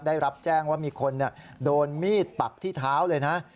ได้รับแจ้งว่ามีคนโดนมีดปักที่เท้าเลยนะ